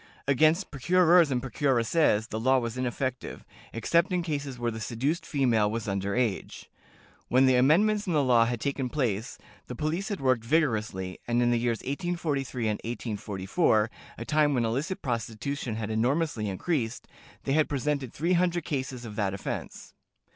Against procurers and procuresses the law was ineffective, except in cases where the seduced female was under age. When the amendments in the law had taken place, the police had worked vigorously, and in the years 1843 and 1844, a time when illicit prostitution had enormously increased, they had presented three hundred cases of that offense.